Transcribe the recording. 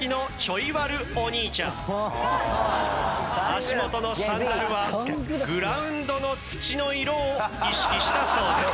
足元のサンダルはグラウンドの土の色を意識したそうです。